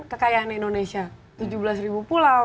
kekayaan indonesia tujuh belas ribu pulau